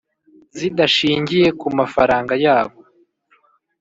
zidashyingiye ku mafaranga yabo